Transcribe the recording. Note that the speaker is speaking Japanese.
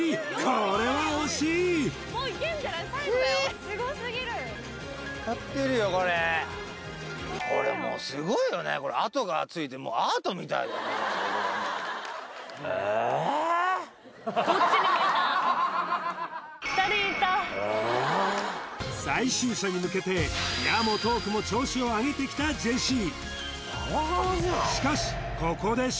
これは惜しいええっええ最終射に向けて矢もトークも調子を上げてきたジェシー